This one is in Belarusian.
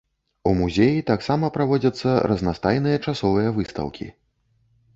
У музеі таксама праводзяцца разнастайныя часовыя выстаўкі.